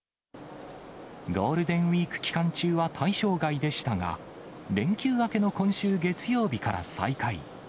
ゴールデンウィーク期間中は対象外でしたが、連休明けの今週月曜日から再開。